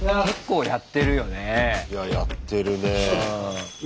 いややってるね。